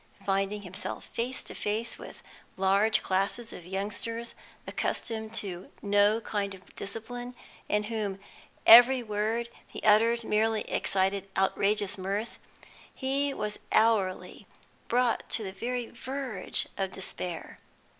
Finding himself face to face with large classes of youngsters accustomed to no kind of discipline, in whom every word he uttered merely excited outrageous mirth, he was hourly brought to the very verge of despair.